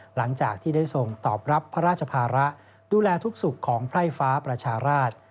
หลังจากที่ได้ทรงตอบรับพระราชภาระดูแลทุกสุขของไพร่ฟ้าประชาราช